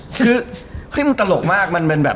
คือมันตลกมาก